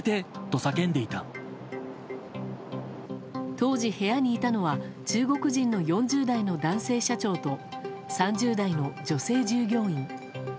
当時、部屋にいたのは中国人の４０代の男性社長と３０代の女性従業員。